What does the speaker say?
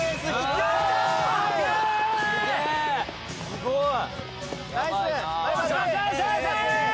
・すごい。